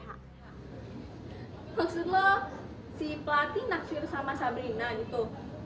maksud lo si pelatih naksir sama sabrina gitu